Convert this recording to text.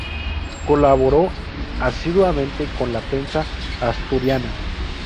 Colaboró asiduamente con la prensa asturiana.